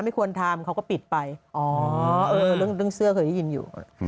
ไม่ควรทำเขาก็ปิดไปอ๋อเรื่องเสื้อเคยได้ยินอยู่